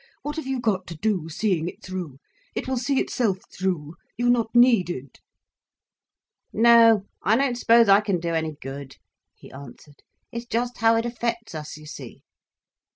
What have you got to do, seeing it through. It will see itself through. You are not needed." "No, I don't suppose I can do any good," he answered. "It's just how it affects us, you see."